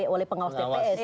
oleh pengawas tps